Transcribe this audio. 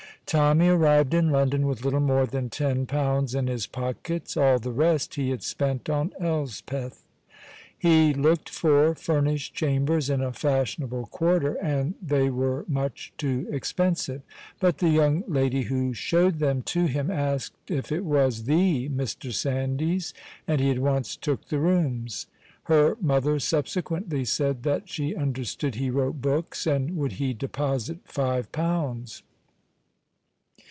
Tommy arrived in London with little more than ten pounds in his pockets. All the rest he had spent on Elspeth. He looked for furnished chambers in a fashionable quarter, and they were much too expensive. But the young lady who showed them to him asked if it was the Mr. Sandys, and he at once took the rooms. Her mother subsequently said that she understood he wrote books, and would he deposit five pounds?